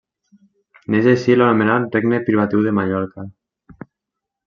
Neix així l'anomenat Regne Privatiu de Mallorca.